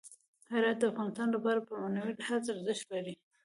هرات د افغانانو لپاره په معنوي لحاظ ارزښت لري.